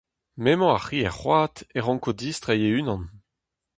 M'emañ ar c'hi er c'hoad e ranko distreiñ e-unan.